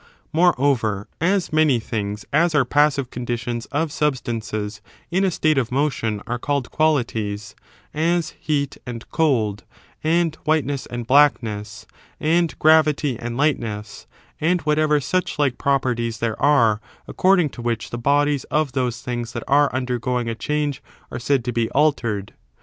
Moreover, as many things as are passive conditions of substances in a state of motion are called yl qilalities, as heat and cold, and whiteness and blackness, and gravity and lightness, and whatever such like properties there are according to which the bodies of those things that are undergoing a change are said to be altered.